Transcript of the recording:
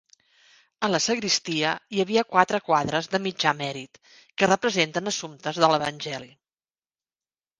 A la sagristia hi havia quatre quadres de mitjà mèrit, que representen assumptes de l'Evangeli.